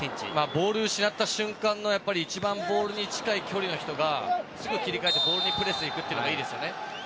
ボールを失った瞬間一番ボールに近い距離の人がすぐ切り替えてボールにプレスに行くのがいいですよね。